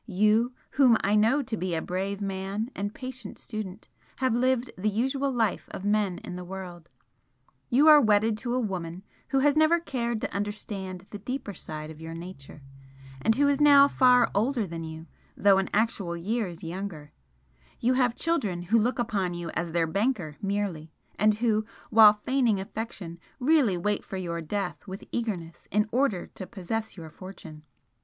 You, whom I know to be a brave man and patient student, have lived the usual life of men in the world you are wedded to a Woman who has never cared to understand the deeper side of your nature, and who is now far older than you, though in actual years younger, you have children who look upon you as their banker merely and who, while feigning affection, really wait for your death with eagerness in order to possess your fortune.